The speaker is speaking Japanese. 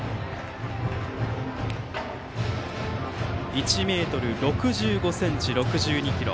１ｍ６５ｃｍ、６２ｋｇ。